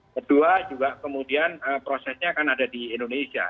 kedua juga kemudian prosesnya kan ada di indonesia